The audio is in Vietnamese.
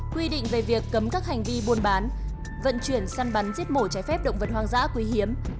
quy định về việc cấm các hành vi buôn bán vận chuyển săn bắn giết mổ chế phép động vật hoang dã quý hiếm